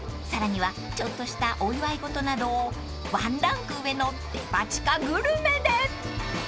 さらにはちょっとしたお祝い事などをワンランク上のデパ地下グルメで！］